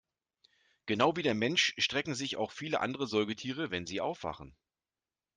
Genau wie der Mensch strecken sich auch viele andere Säugetiere, wenn sie aufwachen.